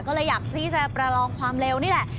ก็เลยอยากที่จะประลองความเร็วนี่แหละ